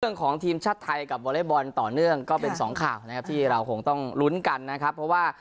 ของทีมชาติไทยกับวอเล็กบอลต่อเนื่องก็เป็นสองข่าวนะครับที่เราคงต้องลุ้นกันนะครับเพราะว่า